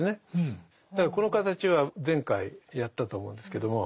だからこの形は前回やったと思うんですけども。